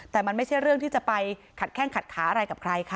แต่มันไม่ใช่เรื่องที่จะไปขัดแข้งขัดขาอะไรกับใครค่ะ